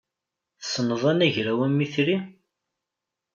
Tessneḍ anagraw amitri?